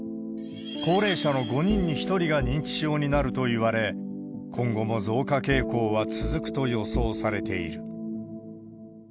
高齢者の５人に１人が認知症になるといわれ、今後も増加傾向は続くと予想されている。